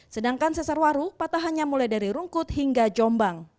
sedangkan sesar waru patahannya mulai dari rungkut hingga jombang